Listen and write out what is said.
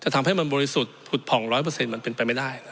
ทำให้มันบริสุทธิ์ผุดผ่อง๑๐๐มันเป็นไปไม่ได้